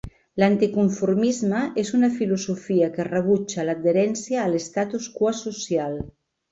L'anti-conformisme és una filosofia que rebutja l'adherència a l'estatus quo social.